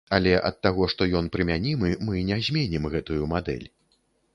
Але ад таго, што ён прымянімы, мы не зменім гэтую мадэль.